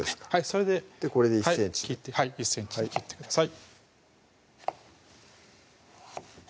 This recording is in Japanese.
それでこれで１ｃｍはい１ｃｍに切ってください